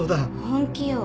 本気よ。